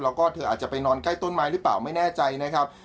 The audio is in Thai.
แล้วก็เธออาจจะไปนอนใกล้ต้นไม้หรือเปล่าไม่แน่ใจนะครับ